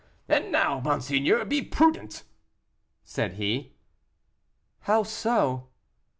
"And now, monseigneur, be prudent," said he. "How so?"